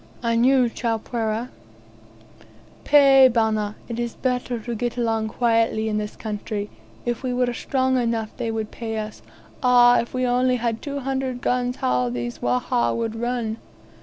"And you, Chowpereh?" "Pay, bana; it is better to get along quietly in this country. If we were strong enough they would pay us. Ah, if we had only two hundred guns, how these Wahha would run!"